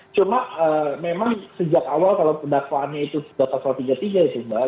cuma memang sejak awal kalau dakwaannya itu sudah pasal tiga puluh tiga itu mbak